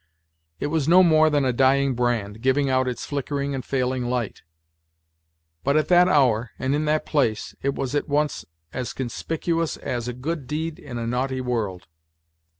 It was no more than a dying brand, giving out its flickering and failing light; but at that hour, and in that place, it was at once as conspicuous as "a good deed in a naughty world."